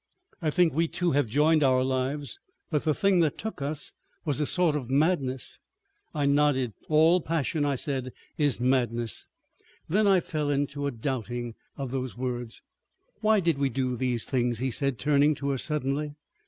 "I think we two have joined our lives. ... But the thing that took us was a sort of madness." I nodded. "All passion," I said, "is madness." Then I fell into a doubting of those words. "Why did we do these things?" he said, turning to her suddenly.